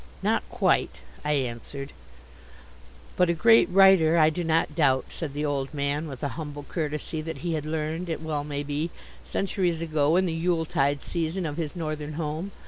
"Not quite," I answered. "But a great writer, I do not doubt," said the old man, with a humble courtesy that he had learned, it well may be, centuries ago in the yule tide season of his northern home.